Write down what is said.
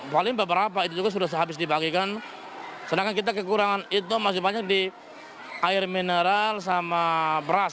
paling beberapa itu juga sudah habis dibagikan sedangkan kita kekurangan itu masih banyak di air mineral sama beras